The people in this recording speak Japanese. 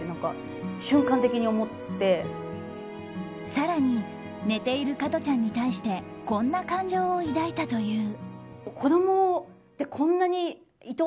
更に寝ている加トちゃんに対してこんな感情を抱いたという。